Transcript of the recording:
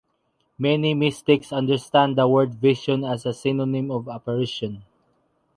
Many mystics understand the word vision as a synonym of apparition.